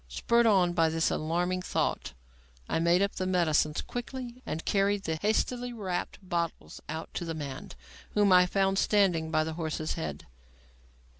Spurred on by this alarming thought, I made up the medicines quickly and carried the hastily wrapped bottles out to the man, whom I found standing by the horse's head.